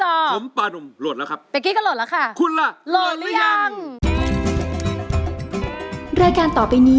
ผมปานมโหลดแล้วครับ